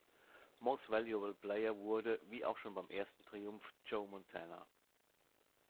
Most Valuable Player wurde, wie auch schon beim ersten Triumph, Joe Montana.